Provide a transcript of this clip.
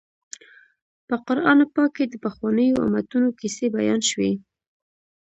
په قران پاک کې د پخوانیو امتونو کیسې بیان شوي.